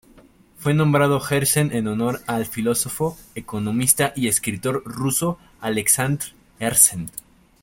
Fue nombrado Herzen en honor al filósofo, economista y escritor ruso Aleksandr Herzen.